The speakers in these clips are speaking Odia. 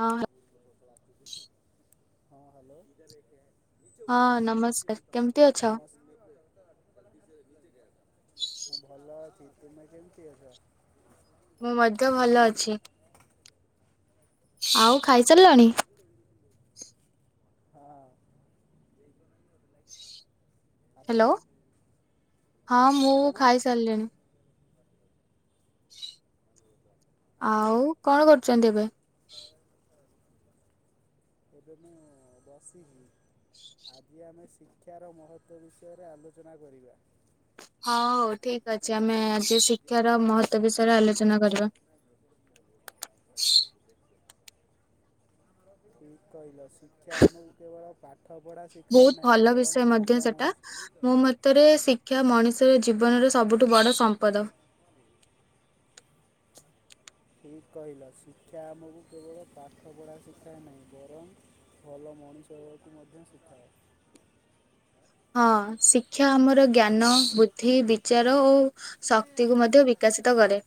ହଁ। ହଁ ହ୍ୟାଲୋ। [unintelligible] ହଁ ନମସ୍କାର କେମିତି ଅଛ? ମୁଁ ଭଲ ଅଛି ତୁମେ କେମିତି ଅଛ? ମୁଁ ମଧ୍ୟ ଭଲ ଅଛି ଆଉ ଖାଇସାରିଲଣି? ହଁ। ଆପଣ ହ୍ୟାଲୋ ହଁ ମୁଁ ଆପଣ ଖାଇସାରିଲିଣିି। ଆ ଆଉ କଣ କରୁଛନ୍ତି ଏବେ? ଏବେ ମୁଁ ବସିିଚି ଆଜି ଆମେ ଶିକ୍ଷାର ମହତ୍ତ୍ୱ ବିଷୟରେ ଆଲୋଚନା କରିବା। ହଉ ଠିକ ଅଛି ଆମେ ଆଜି ଶିକ୍ଷାର ମହତ୍ତ୍ୱ ବିଷୟରେ ଆଲୋଚନା କରିବା। ଠିକ କହିଲ ଶିକ୍ଷା ଆମକୁ କେବଳ ପା ବୋହୁତ ଭଲ ବିଷୟ ମଧ୍ୟ ସେଟା ମଣିଷ ମୋ ମତରେ ଶିକ୍ଷା ମଣିଷ ତୋର ଜୀବନର ସବୁଠୁ ବଡ଼ ସମ୍ପଦ। ଠିକ କହିଲ ଶିକ୍ଷା ଆମୁକୁ କେବଳ ପାଠ ପଢ଼ା ଶିଖାଏ ନାହିଁ ବରଂ ଭଲ ମଣିଷ ହେବାକୁ ମଧ୍ୟ ଶିଖାଏ। ହଁ ଶିକ୍ଷା ଆମର ଜ୍ଞାନ ବୁଦ୍ଧି ବିଚାର ଓ ଶକ୍ତିକୁ ମଧ୍ୟ ବିକାଶିତ କରେ।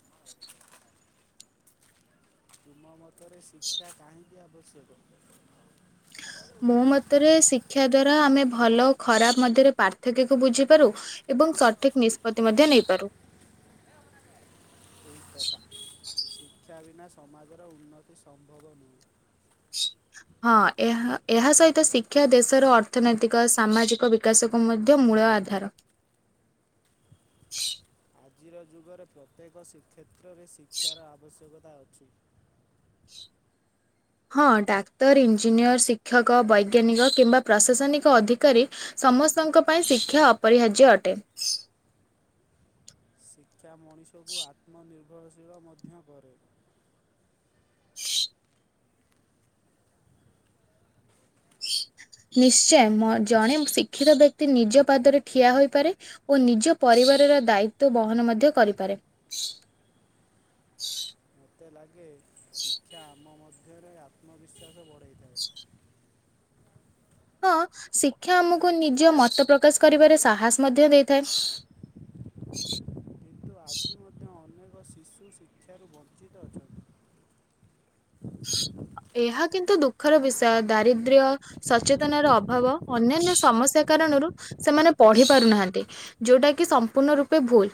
ତୁମ ମ ତରେ ଶିକ୍ଷା କାହିଁ କି ଆବଶ୍ୟକ? ମୋ ମତରେ ଶିକ୍ଷା ଦ୍ଵାରା ଆମେ ଭଲ ଓ ଖରାପ ମଧ୍ୟରେ ପାର୍ଥକ୍ୟକୁ ବୁଝିପାରୁ ଏବଂ ସଠିକ ନିଷ୍ପତି ମଧ୍ୟ ନେଇପାରୁ। ଠିକ୍ କଥା ଶିକ୍ଷା ବିନା ସମାଜର ଉନ୍ନତି ସମ୍ଭବ ନୁହେଁ। ହଁ ଏହା ଏହା ସହିତ ଶିକ୍ଷା ଦେଶର ଅର୍ଥନୈତିକ ସାମାଜିକ ବିକାଶକୁ ମଧ୍ୟ ମୂଳ ଆଧାର। ଆଜିର ଯୁଗରେ ପ୍ରତ୍ୟେକ ଶିକ୍ଷେ ତ୍ରରେ ଶିକ୍ଷାର ଆବଶ୍ୟକ ତା ଅଛି। ହଁ ଡାକ୍ତର ଇଞ୍ଜିନିୟର ଶିକ୍ଷକ ବୈଜ୍ଞାନିକ କିମ୍ବା ପ୍ରଶାସନିକ ଅଧିକାରୀ ସମସ୍ତଙ୍କ ପାଇଁ ଶିକ୍ଷା ଅପରିହାର୍ଯ୍ୟ ଅଟେ। କ୍ଷା ମଣିଷକୁ ଆତ୍ମନିର୍ ଭରଶୀଳ ମଧ୍ୟ କରେ। ହ ନିଶ୍ଚୟ ମ ଜଣେ ଶିକ୍ଷିତ ବ୍ୟକ୍ତି ନିଜ ପାଦରେ ଠିଆ ହୋଇପାରେ ଓ ନିଜ ପରିବାରର ଦାୟିତ୍ୱ ବହନ ମଧ୍ୟ କରିପାରେ। ତେ ଲାଗେ ଶିକ୍ଷା ଆମ ମ ଧ୍ୟରେ ଆତ୍ମବିଶ୍ୱାସ ବଢ଼େଇଥାଏ। ହଁ ଶିକ୍ଷା ଆମକୁ ନିଜ ମତ ପ୍ରକାଶ କରିବାରେ ସାହସ ମଧ୍ୟ ଦେଇଥାଏ। କିନ୍ତୁ ଆଜି ମଧ୍ୟ ଅନେକ ଶିଶୁ ଶିକ୍ଷାରୁ ବଞ୍ଚିତ ଅଛନ୍ତି। ଏହା କିନ୍ତୁ ଦୁଃଖର ବିଷୟ ଦାରିଦ୍ର୍ୟ ସଚେତନାର ଅଭାବ ଅନ୍ୟାନ୍ୟ ସମସ୍ୟା କାରଣରୁ ସେମାନେ ପଢି ପାରୁନାହାନ୍ତି ଯୋଉଟା କି ସମ୍ପୂର୍ଣ୍ଣ ରୂପେ ଭୁଲ।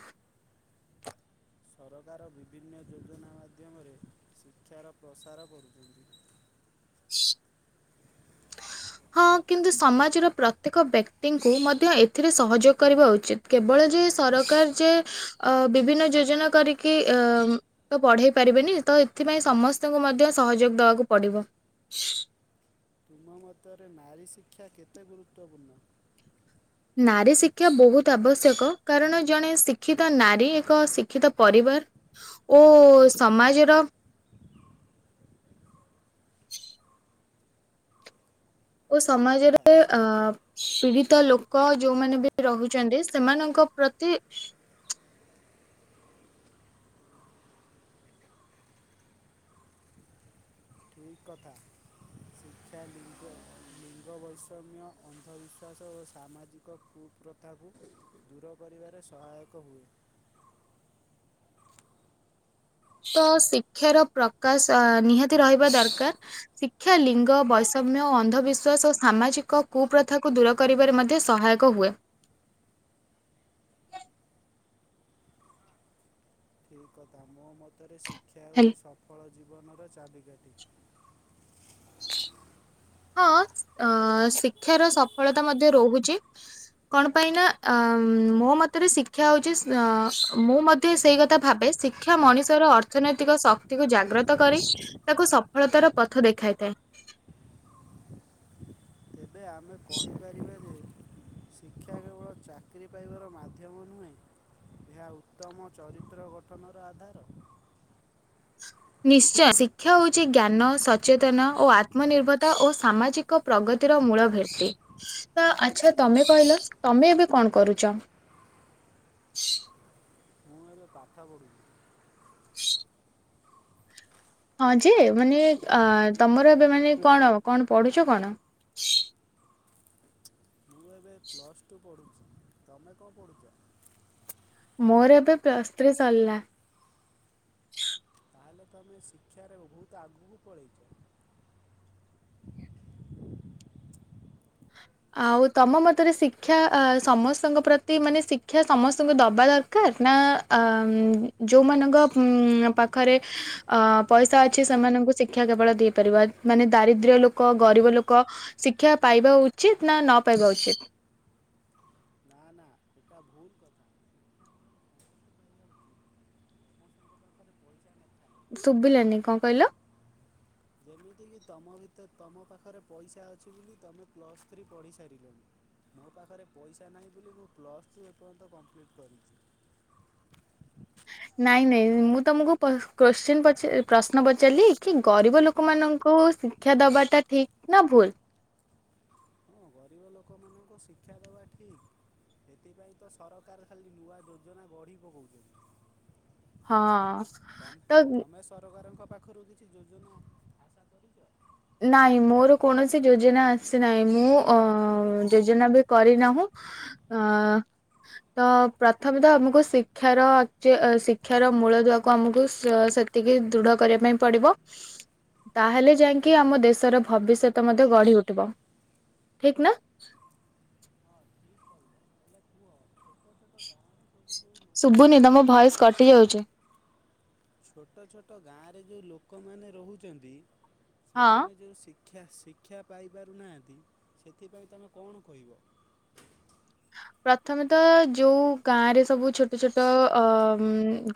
ସରକାର ବିଭିନ୍ନ ଯୋଜନା ମାଧ୍ୟମରେ ଶିକ୍ଷାର ପ୍ରସାର କରୁଚନ୍ତି। ହଁ କିନ୍ତୁ ସମାଜର ପ୍ରତ୍ୟେକ ବ୍ୟକ୍ତିଙ୍କୁ ମଧ୍ୟ ଏଥିରେ ସହଯୋଗ କରିବା ଉଚିତ। କେବଳ ଯେ ସରକାର ଯେ ଅ ବିଭିନ୍ନ ଯୋଜନା କରିକି ଅ ତ ପଢେଇ ତ ପାରିବେନି। ତ ଏଥିପାଇଁ ସମସ୍ତଙ୍କୁ ମଧ୍ୟ ସହଯୋଗ ଦବାକୁ ପଡିବ। ତୁମ ମତରେ ନାରୀ ଶିକ୍ଷା କେତେ ଗୁରୁତ୍ୱପୂର୍ଣ୍ଣ? ନାରୀ ଶିକ୍ଷା ବୋହୁତ ଆବଶ୍ୟକ କାରଣ ଜଣେ ଶିକ୍ଷିତ ନାରୀ ଏକ ଶିକ୍ଷିତ ପରିବାର ଓ ସମାଜର ଓ ଠିକ୍ କଥା ସମାଜରେ ଅ ଶିକ୍ଷା ପୀଡ଼ିତ ଲୋ କ ଯୋଉମାନେ ବି ରହୁଛନ୍ତି ସେମାନଙ୍କ ପ୍ରତି ଇ କଥା, ଶିକ୍ଷା ଲିଙ୍ଗ ଲିଙ୍ଗ ବୈଷମ୍ୟ ଅନ୍ଧବିଶ୍ୱାସ ଓ ସାମାଜିକ କୁପ୍ରଥାକୁ ଦୂର କରିବାରେ ସହାୟକ ହୁଏ। ତ ଶିକ୍ଷାର ପ୍ରକାଶ ନିହାତି ରହିବା ଦରକାର। ଶିକ୍ଷା ଲିଙ୍ଗ ବୈଷମ୍ୟ ଅନ୍ଧବିଶ୍ୱାସ ଓ ସାମାଜିକ କୁପ୍ରଥାକୁ ଦୂର କରିବାରେ ମଧ୍ୟ ସହାୟକ ହୁଏ। ଏଇ କଥା ମୋ ମତରେ ଶି ଶିକ୍ଷା ହେଲ ହୋଉଚି ସଫଳ ଜୀ ବନର ଚାବିକାଟି। ହଁ ଅଁ ଶିକ୍ଷାର ସଫଳତା ମଧ୍ୟ ରୋହୁଚି। କଣ ପାଇଁ ନାଁ ଆ ମୋ ମତରେ ଶିକ୍ଷା ହୋଉଚି ସ ଅ ମୁଁ ମଧ୍ୟ ସେଇ କଥା ଭାବେ ଶିକ୍ଷା ମଣିଷର ଅର୍ଥନୈତିକ ଶକ୍ତିକୁ ଜାଗ୍ରତ କରି ତାକୁ ସଫଳତାର ପଥ ଦେଖାଇଥାଏ। ଏବେ ଆମେ କହିପାରିବା ଯେ ଶିକ୍ଷା କେବଳ ଚାକିରି ପାଇବାର ମାଧ୍ୟମ ନୁହେଁ ଏହା ଉତ୍ତମ ଚରିତ୍ର ଗଠନର ଆଧାର। ନିଶ୍ଚୟ ଶିକ୍ଷା ହୋଉଚି ଜ୍ଞାନ ସଚେତନ ଓ ଆତ୍ମନିର୍ଭରତା ଓ ସାମାଜିକ ପ୍ରଗତିର ମୂଳ ଭେଟି। ତ ଆଚ୍ଛା ତମେ କହିଲ ତମେ ଏବେ କଣ କରୁଚ? ଥା ପଡୁଚ। [inaudible] ହଁ ଯେ ମାନେ ଏ ଅ ତମର ଏବେ ମାନେ କଣ କଣ ପଢୁଛ କଣ। ମୁଁ ଏବେ ପ୍ଲସ୍ ଟୁ ପଢ଼ୁଚି। ତମେ କଣ ପଢୁଚ। ମୋର ଏବେ ପ୍ଲସ୍ ସ୍ତ୍ରୀ ସରିଲା। ତାହେଲେ ତମେ ଶିକ୍ଷାରେ ବହୁତ ଆଗକୁ ପଳେଇଛ। ଆଉ ତମ ମତରେ ଶିକ୍ଷା ଅ ସମସ୍ତଙ୍କ ପ୍ରତି ମାନେ ଶିକ୍ଷା ସମସ୍ତଙ୍କୁ ଦବା ଦରକାର। ନା ଅ ଯୋଉମାନଙ୍କ ଅମ୍ ପାଖରେ ପଇସା ଅଛି ସେମାନଙ୍କୁ ଶିକ୍ଷା କେବଳ ଦେଇପାରିବା। ମାନେ ଦାରିଦ୍ର୍ୟ ଲୋକ ଗରିବ ଲୋକ ଶିକ୍ଷା ପାଇବା ଉ ଉଚିତ ନା ନ ପାଇବା ଉଚିତ? ନା ନା ଏଟା ଭୁଲ କଥା। ସମସ୍ତଙ୍କ ପାଖରେ ପଇସା ନାହିଁ ଶୁଭିଲାନି କଣ କହିଲ? ଯେମିତିକି ତମ ଭିତରେ ତମ ପାଖରେ ପଇସା ଅଛି ବୋଲି ତମେ ପ୍ଲସ୍ ଥ୍ରୀ ପଢ଼ି ସାରିଲଣିି। ମୋ ପାଖରେ ପଇସା ନାହିଁ ବୋଲି ମୁଁ ପ୍ଲସ୍ ଟୁ ଏପର୍ଯ୍ୟନ୍ତ କମ୍ପ୍ଲିଟ୍ କରିଛି। ନାଇଁ ନାଇଁ ମୁଁ ତମକୁ ପ କୋଶ୍ଚିନ ପ ପ୍ରଶ୍ନ ପଚାରିଲି କି ଗରିବ ଲୋକମାନଙ୍କୁ ଶିକ୍ଷା ଦବାଟା ଠିକ ନା ଭୁଲ। ହଁ ଗରିବ ଲୋକମାନଙ୍କୁ ଶିକ୍ଷା ଦେବା ଠିକ୍। ସେଥିପାଇଁ ତ ସରକାର ଖାଲି ନୂଆ ଯୋଜନା ଗଢ଼ି ପକୋଉଛନ୍ତି। ହଁ ତ ତମେ ସରକାରଙ୍କ ପାଖରୁ କିଛି ଯୋଜନା ଆଶା କରିଛ। ନାଇଁ ମୋର କୌଣସି ଯୋଜନା ଆସିନାହିଁ, ମୁଁ ଅଁ ଯୋଜନା ବି କରିନାହୁଁ ଅଁ ତ ପ୍ରଥମେ ତ ଆମକୁ ଶିକ୍ଷାର ଆଚ୍ ଶିକ୍ଷାର ମୂଳ ଦୁଆକୁ ଆମକୁ ସେତିକି ଦୃଢ କରିବା ପାଇଁ ପଡିବ। ତାହେଲେ ଯାଇ କି ଆମ ଦେଶର ଭବିଷ୍ୟତ ମଧ୍ୟ ଗଢି ଉଠିବ ଠିକ ନା। ଶୁଭୁନି ତମ ଭଏସ କଟି ଯାଉଛି। ଛୋଟ ଛୋଟ ଗାଁରେ ଯୋଉ ଲୋକମାନେ ରହୁଚନ୍ତି। ହଁ। ସେମାନେ ଯୋଉ ଶିକ୍ ଶିକ୍ଷା ଶିକ୍ଷା ପାଇପାରୁନାହାନ୍ତି। ସେଥିପାଇଁ ତମେ କଣ କହିବ? ପ୍ରଥମେତ ଯୋଉ ଗାଁରେ ସବୁ ଛୋଟ ଛୋଟ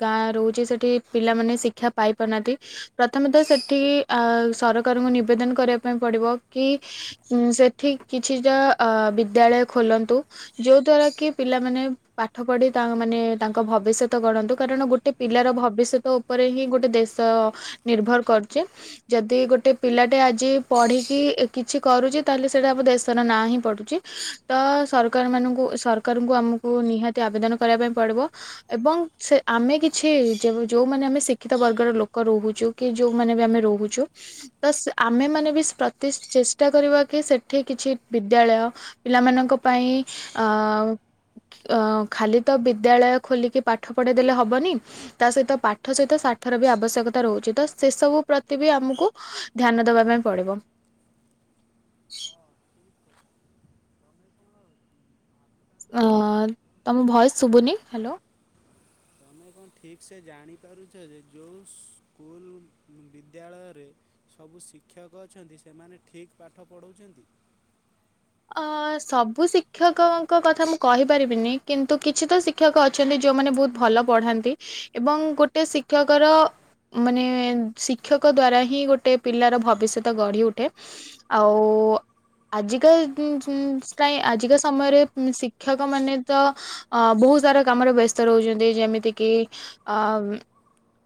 ଗାଁ ରହୁଛି ସେଠି ପିଲାମାନେ ଶିକ୍ଷା ପାଇ ପାରୁନାହାନ୍ତି। ପ୍ରଥମେତ ସେଠି ସରକାରଙ୍କୁ ନିବେଦନ କରିବା ପାଇଁ ପଡିବ କି ସେଠି କିଛିଟା ବିଦ୍ୟାଳୟ ଖୋଲନ୍ତୁ। ଯୋଉ ଦ୍ଵାରା କି ପିଲାମାନୋନ ପାଠ ପଢି ମାନେ ତାଙ୍କ ଭବିଷ୍ୟତ ଗଣନ୍ତୁ। କାରଣ ଗୋଟେ ପିଲାର ଭବିଷ୍ୟତ ଉପରେ ହିଁ ଗୋଟେ ଦେଶ ନିର୍ଭର କରୁଛେ। ଯଦି ଗୋଟେ ପିଲାଟେ ଆଜି ପଢିକି କିଛି କରୁଛି। ତାହେଲେ ସେଇଟା ଆମ ଦେଶର ନାଁ ହିଁ ପଡୁଛି। ତ ସର କାରମାନଙ୍କୁ ସରକାରଙ୍କୁ ଆମକୁ ନିହାତି ଆବେଦନ କରିବା ପାଇଁ ପଡ଼ିବ ଏବଂ ସେ ଆମେ କିଛି ଯେଉଁମାନେ ଆମେ ଶିକ୍ଷିତ ବର୍ଗର ଲୋକ ରହୁଛୁ କି ଯେଉଁମାନେ ବି ଆମେ ରହୁଛୁ ତ ଆମେମାନେ ବି ପ୍ରତି ଚେଷ୍ଟା କରିବା କି ସେଠି କିଛି ବିଦ୍ୟାଳୟ ପିଲାମାନଙ୍କ ପାଇଁ ଆଁ ଆ ଖାଲି ତ ବିଦ୍ୟାଳୟ ଖୋଲିକି ପାଠ ପଢେଇ ଦେ। ଲେ ହବନି ତା ସହିତ ପାଠ ସହିତ ପାଠର ବି ଆବଶ୍ୟକତା ରହୁଛି ତ ସେସବୁ ପ୍ରତି ବି ଆମକୁ ଧ୍ୟାନ ଦବା ପାଇଁ ପଡିବ। ଅ ତମ ଭଏସ ଶୁଭୁନି ହ୍ୟାଲୋ। ତମେ କଣ ଠିକ୍ ସେ ଜାଣିପାରୁଛ ଯେ ଯେଉଁ ସ୍କୁଲ ବିଦ୍ୟାଳୟରେ ସବୁ ଶିକ୍ଷକ ଅଛନ୍ତି ସେମାନେ ଠିକ ପାଠ ପଢ଼ାଉଛନ୍ତି? ସବୁ ଶିକ୍ଷକଙ୍କ କଥା ମୁଁ କହିପାରିବିନି କିନ୍ତୁ କିଛି ତ ଶିକ୍ଷକ ଅଛନ୍ତି ଯେଉଁମାନେ ବହୁତ ଭଲ ପଢ଼ାନ୍ତି ଏବଂ ଗୋଟେ ଶିକ୍ଷକର ମାନେ ଶିକ୍ଷକ ଦ୍ୱାରା ହିଁ ଗୋଟେ ପିଲାର ଭବିଷ୍ୟତ ଗଢ଼ି ଉଠେ ଆଉ ଆଜିକା [unintelligible] ପାଇଁ ଆଜିକା ସମୟରେ ଶିକ୍ଷକ ମାନେ ତ ବହୁତ ସାରା କାମରେ ବ୍ୟସ୍ତ ରହୁଛନ୍ତି। ଯେମିତିକି ଅ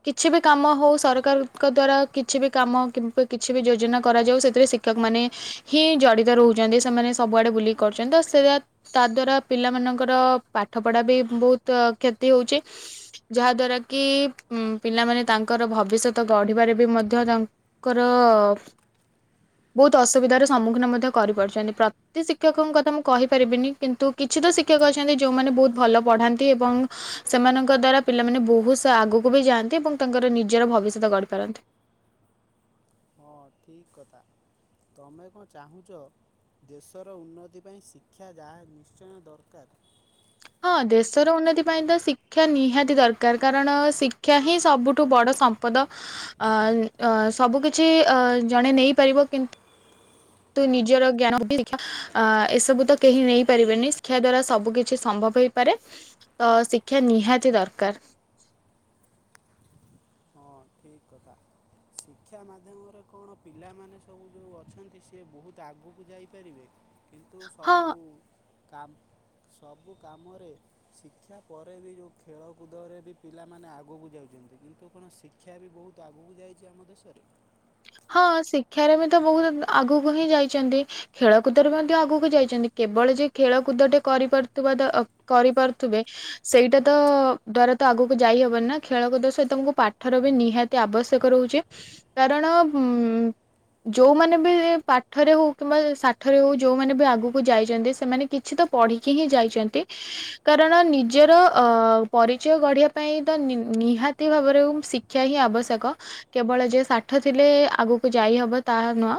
କିଛି ବି କାମ ହଉ ସରକାରଙ୍କ ଦ୍ଵାରା କିଛି ବି କାମ କି କିଛି ବି ଯୋଜନା କରାଯାଉ ସେଥିରେ ଶିକ୍ଷକ ମାନେ ହିଁ ଜଡ଼ିତ ରହୁଛନ୍ତି। ସେମାନେ ସବୁଆଡେ ବୁଲିକି କରୁଛନ୍ତି। ତ ସେ ତା ଦ୍ଵାରା ପିଲାମାନଙ୍କର ପାଠ ପଢା ବି ବହୁତ କ୍ଷତି ହଉଛି। ଯାହା ଦ୍ୱାରା କି ପିଲାମାନେ ତାଙ୍କର ଭବିଷ୍ୟତ ଗଢିବାରେ ବି ମଧ୍ୟ ତାଙ୍କର ବହୁତ ଅସୁବିଧାର ସମ୍ମୁଖୀନ ମଧ୍ୟ କରିପାରୁଛନ୍ତି। ପ୍ରତି ଶିକ୍ଷକଙ୍କ କଥା ମୁଁ କହିପାରିବିନି କିନ୍ତୁ କିଛି ତ ଶିକ୍ଷକ ଅଛନ୍ତି ଯେୋଉମାନେ ବହୁତ ଭଲ ପଢ଼ାନ୍ତି ଏବଂ ସେମାନଙ୍କ ଦ୍ଵାରା ପିଲାମାନେ ବହୁତ ଆଗକୁ ବି ଯାଆନ୍ତି ଏବଂ ତାଙ୍କର ନିଜର ଭବିଷ୍ୟତ ଗଢ଼ିପାରନ୍ତି। ହଁ ଠିକ କଥା ତମେ କଣ ଚାହୁଁଛ ଦେଶର ଉନ୍ନତି ପାଇଁ ଶିକ୍ଷା ଯାହା ନିଶ୍ଚୟ ଦରକାର? ହଁ ଦେଶର ଉନ୍ନତି ପାଇଁ ତ ଶିକ୍ଷା ନିହାତି ଦରକାର କାରଣ ଶିକ୍ଷା ହିଁ ସବୁଠୁ ବଡ଼ ସମ୍ପଦ ସବୁ କିିଛି ଜଣେ ନେଇପାରିବ କିନ୍ତୁ ତୁ ନିଜର ଜ୍ଞାନ ଶ୍ଷା ଏସବୁ ତ କେହି ନେଇପାରିବେନି ଶିକ୍ଷା ଦ୍ଵାରା ସବୁ କିଛି ସମ୍ଭବ ହେଇପାରେ। ତ ଶିକ୍ଷା ନିହାତି ଦରକାର। ଠିକ କଥା ଶିକ୍ଷା ମାଧ୍ୟମରେ କଣ ପିଲାମାନେ ସବୁ ଯୋଉ ଅଛନ୍ତି ସି ବହୁତ ଆଗକୁ ଯାଇପାରିବେ। କିନ୍ତୁ ହଁ ସବୁ କାମ ସବୁ କାମରେ ଶିକ୍ଷା ପରେ ବି ଯେଉଁ ଖେଳକୁଦରେ ବି ପିଲାମାନେ ଆଗକୁ ଯାଉଛନ୍ତି କିନ୍ତୁ କଣ ଶିକ ଶିକ୍ଷା ବି ବହୁତ ଆଗକୁ ଯାଇଛି ଆମ ଦେଶରେ। ହଁ ଶିକ୍ଷାରେ ବି ତ ବହୁତ ଆଗକୁ ହିଁ ଯାଇଛନ୍ତି, ଖେଳକୁଦରେ ମଧ୍ୟ ଆଗକୁ ଯାଇଛନ୍ତି, କେବଳ ଯେ ଖେଳକୁଦଟେ କରିପାରୁଥିବା ତ କରିପାରୁଥିବେ ସେଇଟା ତ ଦ୍ଵାରା ତ ଆଗକୁ ଯାଇହବନି ନା ଖେଳକୁଦ ସହିତମକୁ ପାଠର ବି ନିହାତି ଆବଶ୍ୟକ ରହୁଛି। କାରଣ ଉ ଯେଉଁମାନେ ବି ପାଠରେ ହଉ କିମ୍ବା ସାଠରେ ହଉ ଯେଉମାନେ ବି ଆଗକୁ ଯାଇଛନ୍ତି ସେମାନେ କିଛି ତ ପଢ଼ିକି ହିଁ ଯାଇଛନ୍ତି। କାରଣ ନିଜର ପରିଚୟ ଗଢ଼ିବା ପାଇଁ ତ ନିହାତି ଭାବରେ ଶିକ୍ଷା ହିଁ ଆବଶ୍ୟକ କେବଳ ଯେ ସାଠ ଥିଲେ ଆଗକୁ ଯାଇ ହବ ତାହା ନୁହଁ।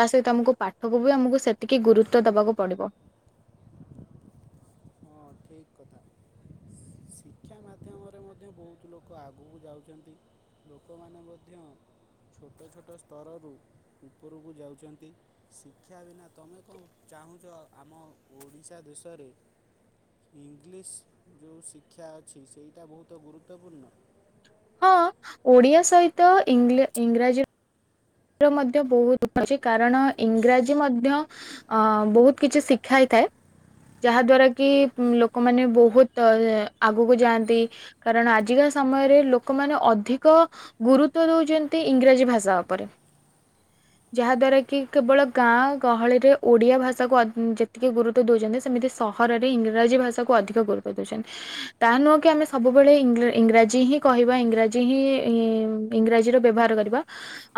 ତା ସହିତ ଆମକୁ ପାଠକୁ ବି ଆମକୁ ସେତିକି ଗୁରୁତ୍ୱ ଦବାକୁ ପଡିବ। ଅ୍ କତା। ମଧ୍ୟ ବହୁତ ଲୋକ ଆଗକୁ ଯାଉଛନ୍ତି। ଲୋକମାନେ ମଧ୍ୟ ଛୋଟ ଛୋଟ ସ୍ତରରୁ ଉପରକୁ ଯାଉଛନ୍ତି। ଶିକ୍ଷା ବିନା ତମେ କଣ ଚାହୁଁଛ ଆମ ଓଡ଼ିଶା ଦେଶରେ ଇଂଲିଶ ଯେଉଁ ଶିକ୍ଷା ଅଛି ସେଇଟା ବହୁତ ଅତ ଗୁରୁତ୍ୱପୂର୍ଣ୍ଣ। ହଁ ଓଡିଆ ସହିତ ଇଂ ଇଂରାଜୀ ମଧ୍ୟ ବହୁତ ଅଛି କାରଣ ଇଂରାଜୀ ମଧ୍ୟ ବହୁତ କିଛି ଶିଖାଇଥାଏ। ଯାହା ଦ୍ୱାରା କି ଲୋକମାନେ ବହୁତ ଆଗକୁ ଯାଆନ୍ତି। କାରଣ ଆଜିକା ସମୟରେ ଲୋକମାନେ ଅଧିକ ଗୁରୁତ୍ୱ ଦଉଛନ୍ତି ଇଂରାଜୀ ଭାଷା ଉପରେ। ଯାହା ଦ୍ୱାରା କି କେବଳ ଗାଁ ଗହଳିରେ ଓଡିଆ ଭାଷାକୁ ଯେତିକି ଗୁରୁତ୍ୱ ଦଉଚନ୍ତି ସେମିତି ସହରରେ ଇଂରାଜୀ ଭାଷାକୁ ଅଧିକ ଗୁରୁତ୍ଵ ଦଉଛନ୍ତି। ତାହା ନୁହେଁ କି ଆମେ ସବୁବେଳେ ଇଂ-ଇଂରାଜୀ ହିଁ କହିବା ଇଂରାଜୀ ହିଁ ଇଂରାଜୀର ବ୍ୟବହାର କରିବା।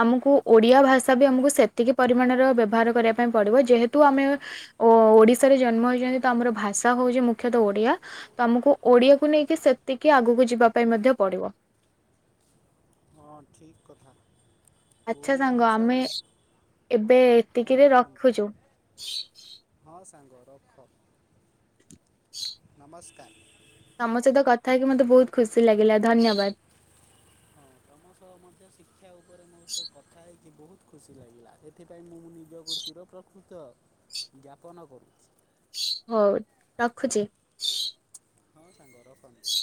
ଆମକୁ ଓଡ଼ିଆ ଭାଷା ବି ଆମକୁ ସେତିକି ପରିମାଣର ବ୍ୟବହାର କରିବା ପାଇଁ ପଡ଼ିବ। ଯେହେତୁ ଆମେ ଓଡ଼ିଶାରେ ଜନ୍ମ ହେଇଛନ୍ତି। ତ ଆମର ଭାଷା ହଉଛି ମୁଖ୍ୟତଃ ଓଡ଼ିଆ। ତ ଆମକୁ ଓଡ଼ିଆକୁ ନେଇକି ସେତିକି ଆଗକୁ ଯିବା ପାଇଁ ମଧ୍ୟ ପଡ଼ିବ। ହଁ ଠିକ କଥା। ଆଛା ଓଡ଼ିଆ ସାଙ୍ଗ ଭାଷା ଆମେ ଏବେ ହଁ ଏତିକିରେ କୁହନ୍ତୁ ରଖୁଛୁ। ହଁ ସାଙ୍ଗ ରଖ। ନମସ୍କ କାର ତମ ସହିତ କଥା ହେଇକି ମତେ ବହୁତ ଖୁସି ଲାଗିଲା ଧନ୍ୟବାଦ। ହଁ ତମ ସହ ମଧ୍ୟ ଶିକ୍ଷା ଉପରେ ମୋସ୍ତେ କଥା ହେଇକି ବହୁତ ଖୁସି ଲାଗିଲା। ସେଥିପାଇଁ ମୁଁ ମୁଁ ନିଜକୁ ଚିର ପ୍ର କୃତ ଜ୍ଞାପନ କରୁଛି। ହଉ ରଖୁଛି। ହଁ ସାଙ୍ଗ। ରଖନ୍ତୁ।